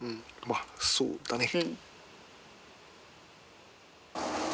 まあそうだね。